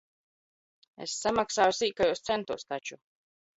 Es samaksāju sīkajos centos taču.